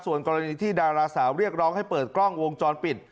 ส่วนกรณีที่ดาราสาวเรียกร้องให้เปิดกล้องวงจรปิด